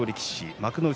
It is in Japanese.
幕内